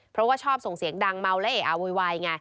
เพราะว่าชอบส่งเสียงดังเมาและเออโวยวายไง